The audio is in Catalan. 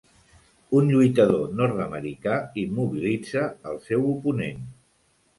Un lluitador nord-americà immobilitza el seu oponent.